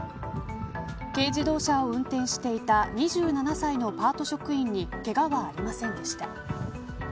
軽自動車を運転していた２７歳のパート職員にけがはありませんでした。